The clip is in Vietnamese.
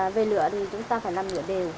về lửa thì chúng ta phải làm lửa đều